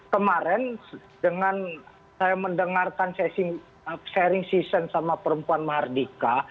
kemarin dengan saya mendengarkan sharing season sama perempuan mardika